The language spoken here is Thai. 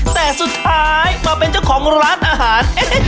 แต่สุดท้ายมาเป็นเจ้าของร้านอาหาร